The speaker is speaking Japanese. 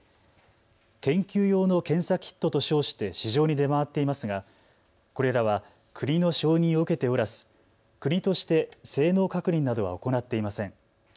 研究用の検査キットと称して市場に出回っていますがこれらは国の承認を受けておらず国として性能確認などは行っていません。